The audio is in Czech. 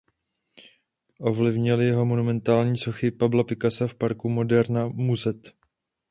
Ovlivnily ho monumentální sochy Pabla Picassa v parku Moderna muset.